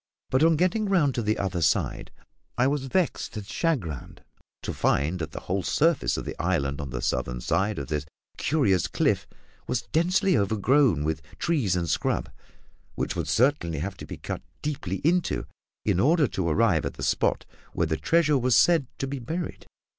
But on getting round to the other side I was vexed and chagrined to find that the whole surface of the islet on the southern side of this curious cliff was densely overgrown with trees and scrub, which would certainly have to be cut deeply into in order to arrive at the spot where the treasure was said to be buried.